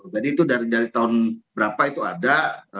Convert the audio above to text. jadi itu dari tahun berapa itu ada